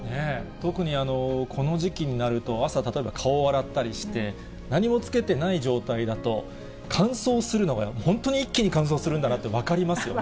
特にこの時期になると、朝、例えば顔を洗ったりして、何もつけてない状態だと、乾燥するのが、本当に一気に乾燥するんだなって分かりますよね。